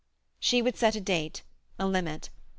She would set a date, a limit.